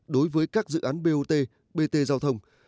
đối với các dự án bot bt giao thông